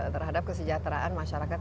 terhadap kesejahteraan masyarakat